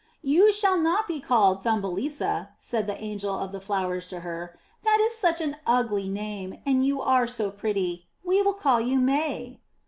''You shall not be called Thumbelisa,'* said the angel of the flowers to her; "that is such an ugly name, and you are so pretty. We will call you May.''